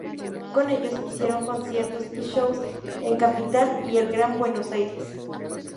Con ellos hicieron conciertos y shows en Capital y el Gran Buenos Aires.